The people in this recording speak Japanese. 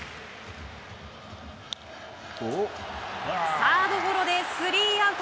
サードゴロでスリーアウト。